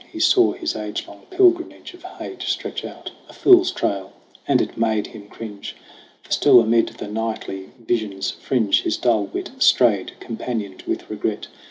He saw his age long pilgrimage of hate Stretch out a fool's trail ; and it made him cringe ; For still amid the nightly vision's fringe His dull wit strayed, companioned with regret.